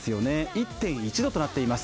１．１度となっています。